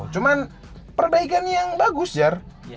cuma perbaikannya yang bagus jar